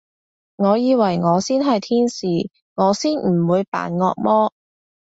我以為我先係天使，我先唔會扮惡魔